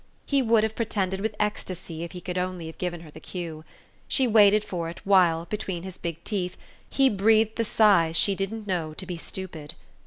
She would have pretended with ecstasy if he could only have given her the cue. She waited for it while, between his big teeth, he breathed the sighs she didn't know to be stupid.